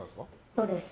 そうです。